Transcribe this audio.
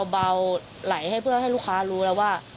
เบาไหลให้เพื่อให้ลูกค้ารู้แล้วว่า